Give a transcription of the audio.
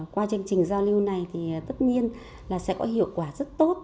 qua chương trình giao lưu này thì tất nhiên là sẽ có hiệu quả rất tốt